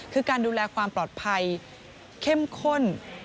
คือการดูแลความปลอดภัยเข้มข้น